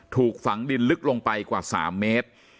ถูกฝังดินลึกลงไปกว่า๓เมตร